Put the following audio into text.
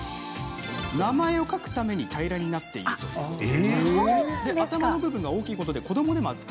名前を書くために平らになっているんです。